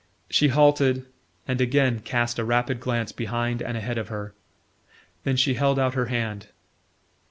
She halted, and again cast a rapid glance behind and ahead of her. Then she held out her hand.